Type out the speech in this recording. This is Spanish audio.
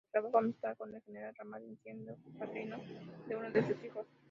Trabó amistad con el general Lamadrid, siendo padrino de uno de sus hijos.